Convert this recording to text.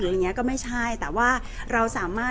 แต่ว่าสามีด้วยคือเราอยู่บ้านเดิมแต่ว่าสามีด้วยคือเราอยู่บ้านเดิม